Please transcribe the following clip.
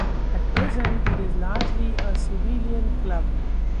At present, it is largely a civilian club.